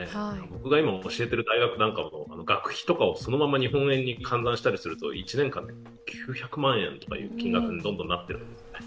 僕が今、教えている大学なんかも学費とかをそのまま日本円に換算したりすると１年間で９００万円とかいう金額にどんどんなっているんですね。